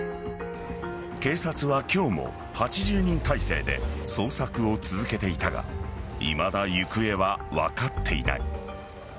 警察は今日も８０人態勢で捜索を続けていたがいまだ行方は分かっていない。